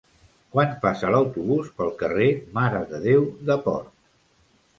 Quan passa l'autobús pel carrer Mare de Déu de Port?